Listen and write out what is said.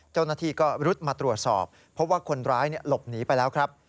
เจ้าหน้าที่ก็รุดมาตรวจสอบเพราะว่าคนร้ายหลบหนีไปแล้วครับ